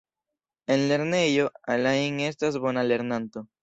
En lernejo, Alain estis bona lernanto.